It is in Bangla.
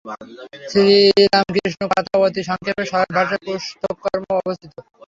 শ্রীরামকৃষ্ণ-কথা অতি সংক্ষেপে সরল ভাষায় পুস্তকমধ্যে অবস্থিত।